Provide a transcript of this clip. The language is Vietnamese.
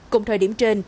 cùng thời điểm trên